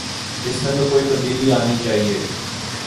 اس میں تو کوئی تبدیلی آنی چاہیے۔